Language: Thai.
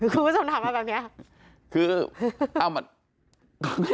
คุณผู้ชมถามมาแบบนี้